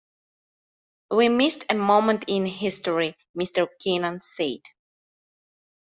We missed a moment in history, Mr Keenan said.